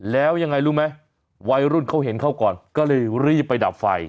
แล้วยังไงรู้ไหมวัยรุ่นเขาเห็นเขาก่อนก็เลยรีบไปดับไฟ